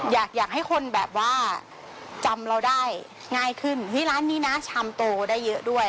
อยากให้คนจำเราได้ง่ายขึ้นเพราะแบบที่ร้านนี้นะชามโตได้เยอะด้วย